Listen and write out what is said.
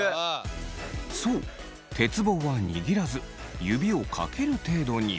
そう鉄棒は握らず指をかける程度に。